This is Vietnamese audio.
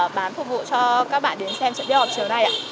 và bán phục vụ cho các bạn đến xem trận đấu chiều nay